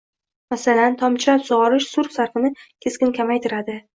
masalan, tomchilatib sug‘orish suv sarfini keskin kamaytiradi.